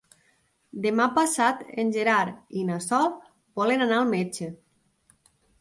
Demà passat en Gerard i na Sol volen anar al metge.